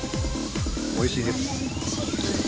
おいしいです。